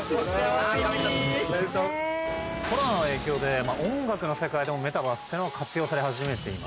コロナの影響で音楽の世界でもメタバースっていうのが活用され始めています。